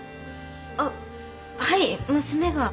あっはい娘が